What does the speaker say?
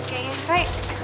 tidak ada yang bisa